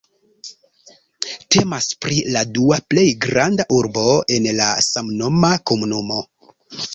Temas pri la dua plej granda urbo en la samnoma komunumo.